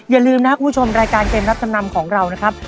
อย่าลืมนะคุณผู้ชมรายการเกมรับจำนำของเรานะครับ